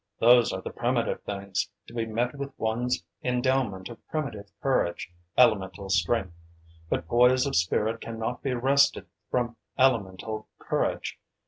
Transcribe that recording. Those are the primitive things, to be met with one's endowment of primitive courage, elemental strength. But poise of spirit can not be wrested from elemental courage.